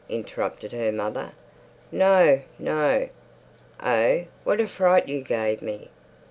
interrupted her mother. "No, no!" "Oh, what a fright you gave me!"